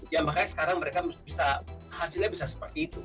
ya makanya sekarang mereka bisa hasilnya bisa seperti itu